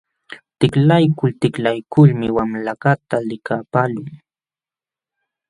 Tiklaykul tiklaykulmi wamlakaqta likapaqlun.